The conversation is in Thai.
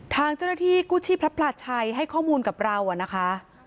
ทางเจ้าหน้าที่กู้ชีพพลัดชัยให้ข้อมูลกับเรา